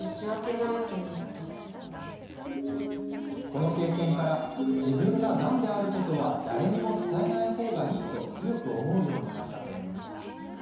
この経験から自分が、がんであることは誰にも伝えない方がいいと強く思うようになったといいます。